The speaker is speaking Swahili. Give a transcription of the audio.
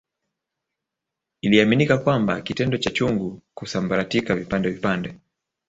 Iliaminika kwamba kitendo cha chungu kusambaratika vipande vipande